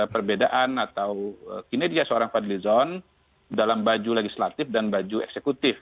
perbedaan atau kinerja seorang fadlizon dalam baju legislatif dan baju eksekutif